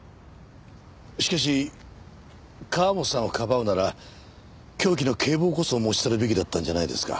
しかし河元さんをかばうなら凶器の警棒こそ持ち去るべきだったんじゃないですか？